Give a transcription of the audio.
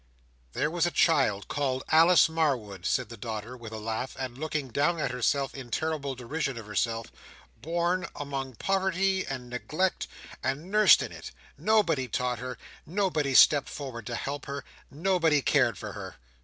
"There was a child called Alice Marwood," said the daughter, with a laugh, and looking down at herself in terrible derision of herself, "born, among poverty and neglect, and nursed in it. Nobody taught her, nobody stepped forward to help her, nobody cared for her."